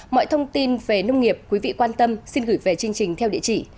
mọi thông tin về nông nghiệp quý vị quan tâm xin gửi về chương trình theo địa chỉ